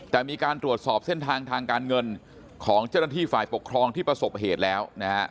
แต่มีการตรวจสอบเส้นทางทางการเงินของเจ้าหน้าที่ฝ่ายปกครองที่ประสบเหตุแล้วนะฮะ